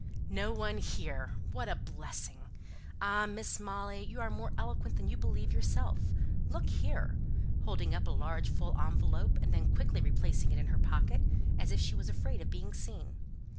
"No one here? What a blessing! Ah, Miss Molly, you are more eloquent than you believe yourself. Look here!" holding up a large full envelope, and then quickly replacing it in her pocket, as if she was afraid of being seen.